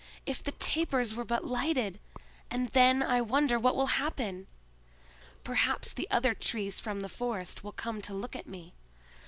If the tapers were but lighted! And then I wonder what will happen! Perhaps the other trees from the forest will come to look at me!